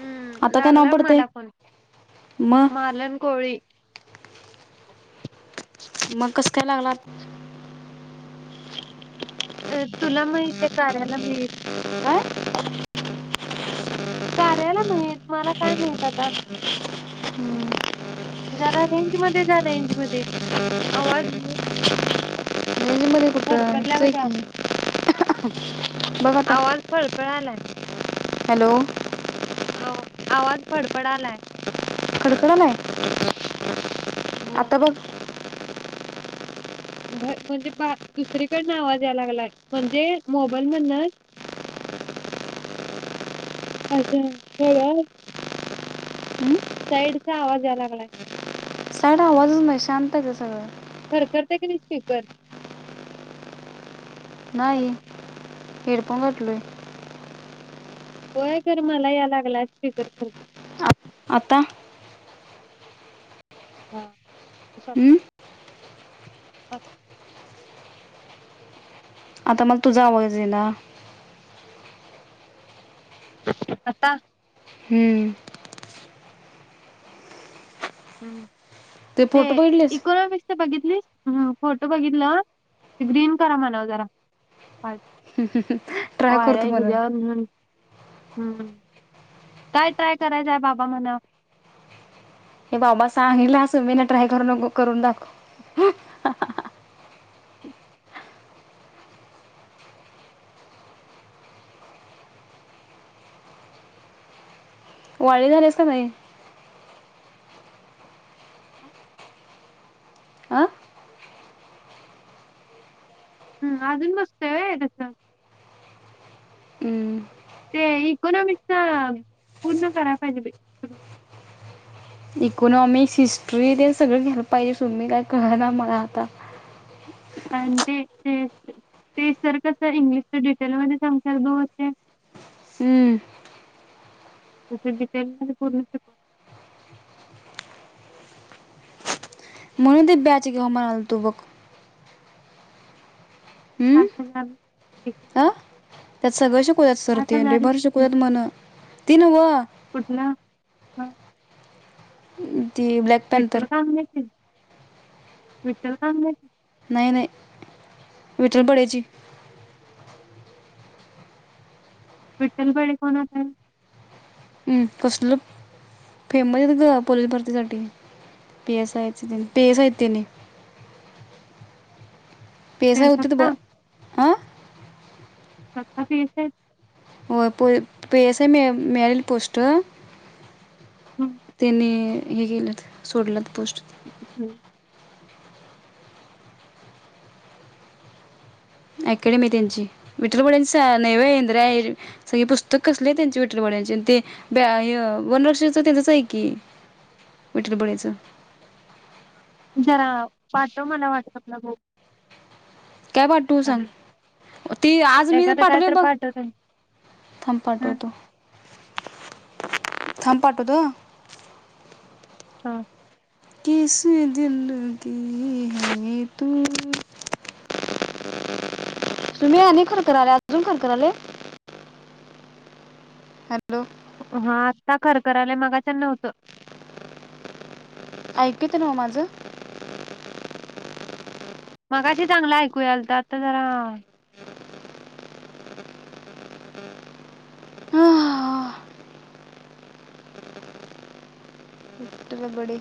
हम्म आता काय नाव लागला पडतंय मला पण मग मालन कोळी. मग कसं काय लागला आता? अ तुला मग तेे कार्याला मिही काय कार्याला माहीत मला काय माहित आता. [inaudible] जरा रेंज मध्ये जा रेंज मध्ये आवाज हम्. फडफडला व्हयचं कधी आला की बघ आता आवाज फडफडालाय हॅलो. आ आवाज फडफडालाय. खरखरालाय होय. आता बघ. म्हणजे बा दुसरीकडनं आवाज याय लागलाय म्हणजे मोबाल म्हणूनच. अ्ा ह का? हम्म? साईडचा आवाज यायला लागलाय. साडा आवाजच नाही शांतच सगळं. खरखते की निश्फ कर. नाही हेडफोन घटलोय. होय कर मला या लागला स् फिकर कर. आता हां. हम्म होओ. आता मला तुझा आवाज आहे ना. आता हम्म. हम्म फोटो ते बघितलेस इको बघितली फोटो बघितलं ग्रीन करा म्हणाव जरा हो ट्राय करतो म्हणून कच्या्या् हम्म. काय ट्राय करायचंय बाबा म्हणा. हे बाबा सांगल अस मी ना ट्राय करू न करून दाखव. वाढ झालेस का नाही. हां हम अजून बसतोय त्यास. हमं. ते इकोनॉमिक्स पूर्ण करा पाहिजे. सगळं. इकॉनॉमिक्स हिस्ट्री ते सगळ घल पाहि हजे सून मी काय कळना मला आता आणि ते ते ते सर कस इंग्लिशच्या डिटेलमध्येध्ये सांग दोे. हमं. त बिटेल पूर्. मनुदेव ब्याचे ग हो मनल तुबक हम्म अच्छा. अ त्यात सगळं शिकूयात पाच सरती आणि्री हजार भर शिकवतत म्हण ती कुठलं? ती ब्लॅक. पॅन्थर मिठल कागची मिठल काची नाही नाही विठ्ठल पड्याची विठ्ठल बडे कोण आता कसल. फेमस आहे ग पोलीस भरतीसाठीठी P S I P S साहित्यने पेसा होत तर त्यांच्यात हां सत्ता पीस आहेत. हो प एसआ म मॅरल पस्ट त्याने हे केलं सोडलं पोस्ट. हं. अकेडेमी त्यांची विठ्ठल बडंच नैव इंद्रा सगळे पुस्तक कसले आहे त्यांचे विठलवाड्यांचे ते वनवर्षीच त्यांचच आहे की मिटर बोलायचं. जरा पाटव मला वाटसअपला. काय पाठवू सांग, ती आज मी एखादं काय पाठवल तर बघ पाठवते थांब हा पाठवतो, थांब पाठवतो ह हा. किस दिलकि है तू सुमे आणि खरखराले अजून खरखरालय? हॅलो. हा आत्ता खरखरालय मगाच्यान नव्हतं. ऐकू येतंय न्हवं माझं? मगाशी चांगलं ऐकू यालत आता जरा आह, त बबडे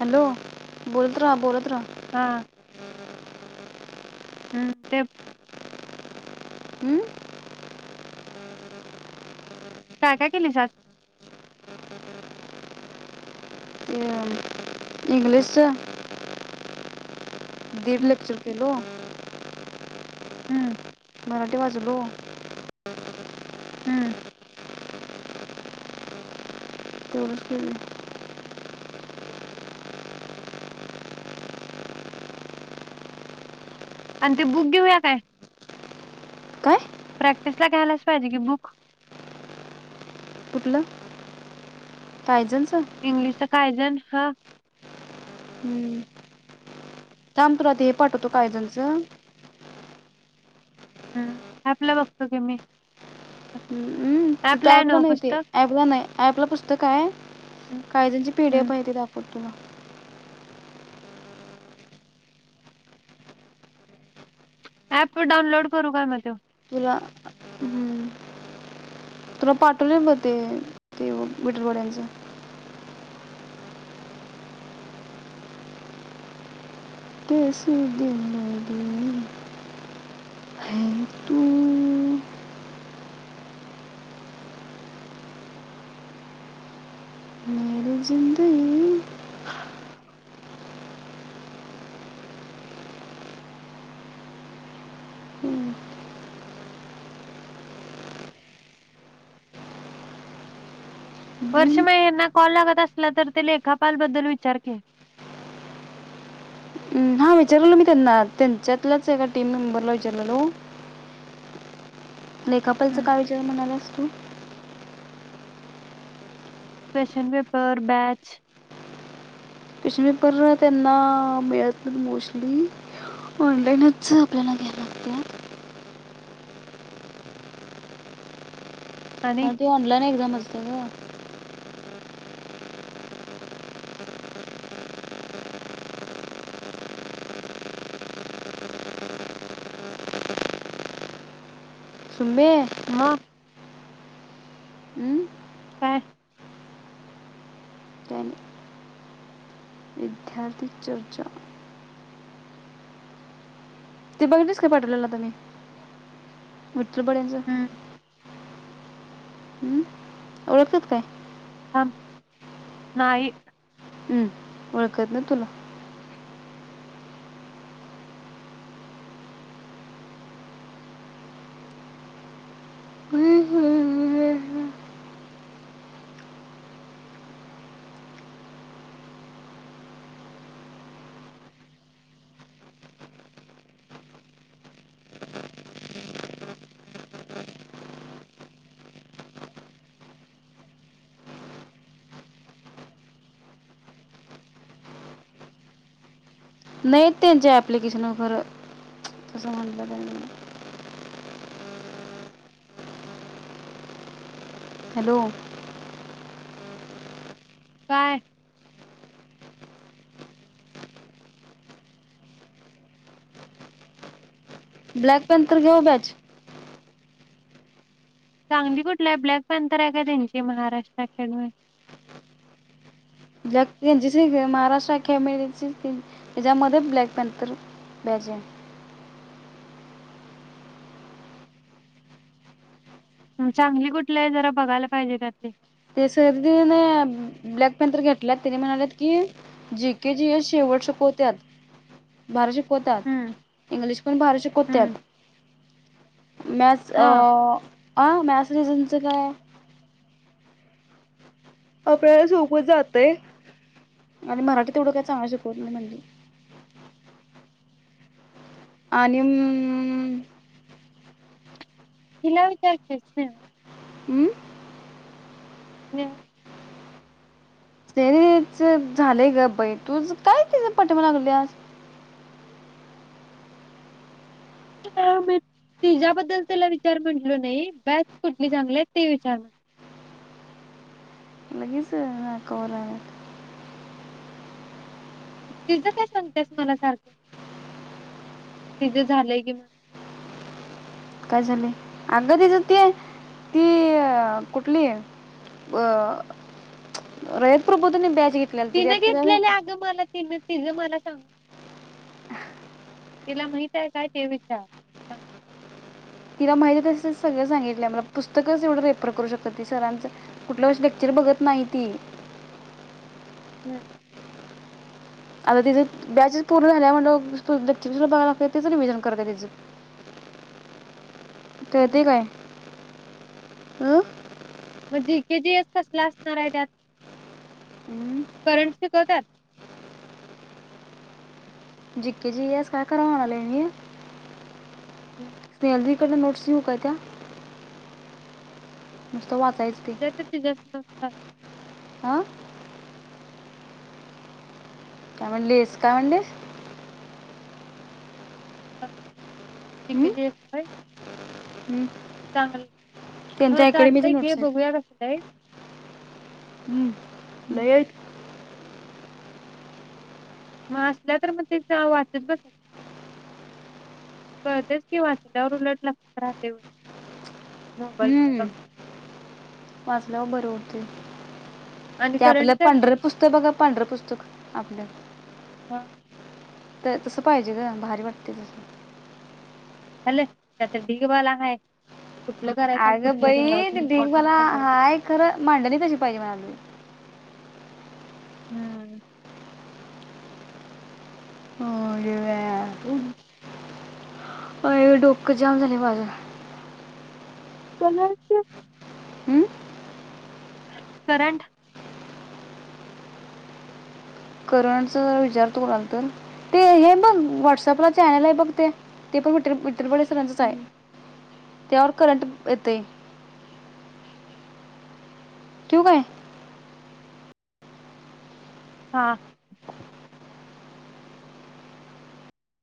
हॅलो बोलत ऱ्हा, बोलत ऱ्हा हा. हू तेप हम्म. काय काय केलीस आज? ते इंग्लिशच दीड हम्म लेक्चर केलो. हम्म. मराठी वाचलो. हम्म. [unintelligible] आणि ते बुक घेऊया काय? काय प्रॅक्टिस ला घ्यायलाच पाहिजे कि बुक कुठलं? कायजनच इंग्लिशच कायजण हा हम्म थांब तुला ते हे पाठवतो कायजनच हम् अँपला बघतो घे मी [unintelligible] तिथ ऍपला आहे अँपला नव्ह नाही ते, पुस्तक अँपला नाही अँपला पुस्तक हाय, कायजनची पि डी एफ आहे तीत अँ पतूला ऍप डाउनलोड करू काय म त्यो? तुला हम्म तुला पाठवले ब ते ते विठरवाड्यांच कैसी दिल लगी हेै तू ये जिंदगी बिन वर्षे मग हेन्ना कॉल लागत असला तर ते लेखापाल बद्दल विचार की हा विचारलेलो मी त्यांना त्यांच्यातल्याच एका टीम मेंबरला विचारलेलो लेखापलचा हं. काय विचार म्हणाल्यास तू? क्वेशन पेपर, बॅच क्वेश्चनपेपर त्यांना मिळत नईत मोस्टली ऑनलाईनच आपल्याला घ्यायला लागते आणि [unintelligible] ती ऑनलाईन एक्झाम असत्या ग सुम्मे म उ काय? काय नई वीध्य द्यार्थी चर्चा ते बघितलीस काय पाठवलेल आता मी विठलं बड्यांचं? हम्. हम्म. ओळखत्यात काय? आ म नाही. हं, ओळखत नाहीत तुला. नाही त्यांच्या ऍप्लिकेशन व खर तस म्हटलं त्यांनी. हॅलो. काय? ब्लॅक पँथर घ्या हो बॅच चांगली कुठली आय ब्लॅक पँथर आहे का त्यांची Maharashtra academy black N C C हाय ग महाराष्ट्र खेमेरीची त्याच्यामध्ये ब्लॅक पँथर पॅजन म चांगली कुठली आय जरा बघायला पाहिजे त्यातली. ते सरदीन ब्लॅक पँथर घेतल्यात तेनी म्हणाल्यात की जी के जी एस शेवट शिकवत्यात. भारी हम्म शिकवत्यात इंग्लिश पण भारी शिकवत्याात. हम्म मॅथस अ हा अ मॅस रिझनच काय? आपल्याला सोपच जातय आणि मराठी तेवढं काय चांगलं शिकवत नाही म्हंटली. आणि म - - तिला विचार की स्नेह हम्म [unintelligible] सनेहेच झालेय ग बाई तूज काय तिज पाठीमाग लागल्यास ह मी तिच्याबद्दल त्याला विचार म्हटलो नाही बॅच कुठली चांगली आहे ते विचार म्ह लगेच.. हा कोराय. तिज काय सांगत्यास मला सारखं तिझं झालंय घे काय झालेय अग तीच ती ती कुठली अ रयत प्रबोधनी बॅच घेट तिन घेतलेलं अगं मला तिन तिज मला सांग. तिला माहिताय काय ते विचार? सांग. तिला माहिती अससल सगळं सांगितलं मला पुस्तकच एवढं रेफर करू शकत्या ती सरांच. कुठल्या विषय लेक्चर बघत नाही ती. हमं. आता तिच बॅच च पूर्ण झाल्या म्हणल्यावर लेक्चर कशाला बघाय तेच रिव्हिजन करत्या तिचं - हम्म कळतय काय हं. मग जी केे जीस कसलं असणार आहे त्यात. हम्म. करंट शिकवत्यात. जी के जी यस काय करा व म्हणालोय मी. हम्म. स्नेहल दी कड नं नोट स् घेऊ काय त्या? नुसत वाचायचं ते. [unintelligible] आं. काय म्हणलीस काय म्हणलीस? जी के जी एस हाय. हम्म. चांगल ह चालतंय घे नोट्स आहेत बघूया कसलं हाईत. ह लय हाईत. म असल्या तर म तेच वाचत बसायचं. कळतयच कि उलट वाचल्यावर उलट मोबाईल म्हंटल्यावर वाजल्यावर बर होते आणि ते आपलं करंट पंढर पुस्तक बघा पांढरं पुस्तक आपल्या हा. तर तसं पाहिजे ग भारी वाटते तसं. झाल त्यात ठिग हय कुठलं करायचं आणि अगं कुठलं बाई ठेवायच ते ढीग मला इमपॉर्टनस नाही. हाय खरं मांडणी कशी पाहिजे म्हणाली हम्म. होय. हम्म. अ डोक जाम झालय माझं. कमी आलती. हम्म करंट.. करणच विचारतो कोणाला तर. ते हे बघ व्हॉट्सअपला चॅनल आहे बघ ते पणर इतर पडे त्या वर करंट इतेय. ठेऊ काय? हां.